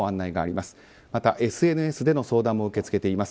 また、ＳＮＳでの相談も受け付けています。